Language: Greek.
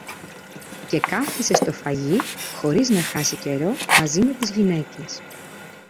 Και κάθισε στο φαγί, χωρίς να χάσει καιρό, μαζί με τις γυναίκες